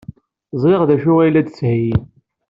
Ẓriɣ d acu ay la d-ttheyyin.